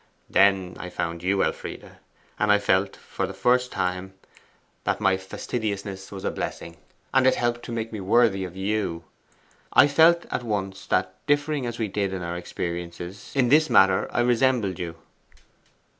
Then I found you, Elfride, and I felt for the first time that my fastidiousness was a blessing. And it helped to make me worthy of you. I felt at once that, differing as we did in other experiences, in this matter I resembled you.